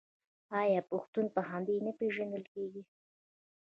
آیا پښتون په همدې نه پیژندل کیږي؟